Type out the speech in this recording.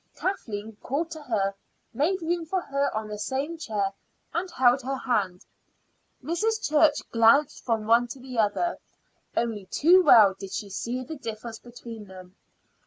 Kathleen called to her, made room for her on the same chair, and held her hand. Mrs. Church glanced from one to the other. Only too well did she see the difference between them.